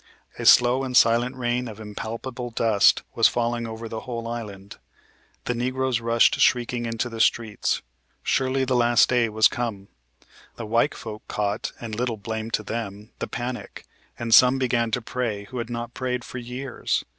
A slow and silent rain of impalpable dust was falling over the whole island. The negroes rushed shrieking into the streets. Surely the last day was come. The white folk caught (and little blame to them) the panic, and some began to pray who had not prayed for years.